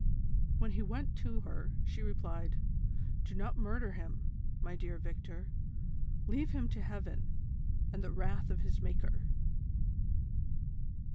When he went to her, she replied : "Do not murder him, my dear Victor, leave him to heaven, and the wrath of his Maker."